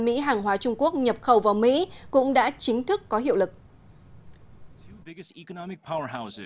mỹ và trung quốc đã bắt đầu vòng đàm phán mới kể từ ngày hôm nay